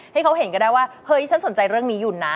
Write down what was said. ให้เขาเห็นก็ได้ว่าเฮ้ยฉันสนใจเรื่องนี้อยู่นะ